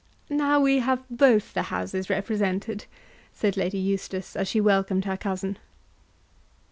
"Now we have both the Houses represented," said Lady Eustace, as she welcomed her cousin.